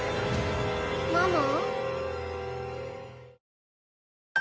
ママ？